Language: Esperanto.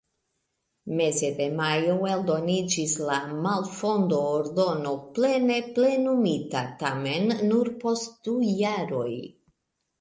Meze de majo eldoniĝis la malfondo-ordono, plene plenumita tamen nur post du jaroj.